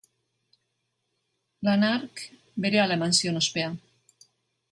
Lan hark berehala eman zion ospea.